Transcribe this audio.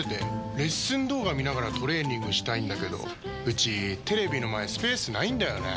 レッスン動画見ながらトレーニングしたいんだけどうちテレビの前スペースないんだよねー。